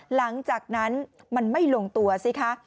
หลังจากนั้นมันไม่ลงตัวสิคะ